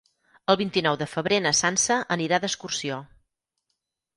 El vint-i-nou de febrer na Sança anirà d'excursió.